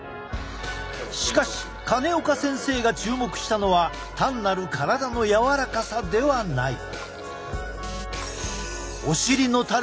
しかし金岡先生が注目したのは単なる体の柔らかさではない。